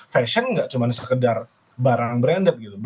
fashion gak cuman sekedar barang branded gitu